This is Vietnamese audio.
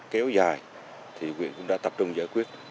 kéo dài thì quyền cũng đã tập trung giải quyết